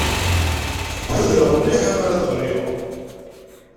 Ḥudreɣ mliḥ amar ad ɣliɣ.